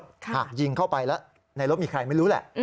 หากยิงเข้าไปแล้วในรถมีใครไม่รู้แหละ